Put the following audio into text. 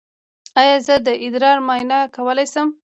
ایا زه د ادرار معاینه کولی شم؟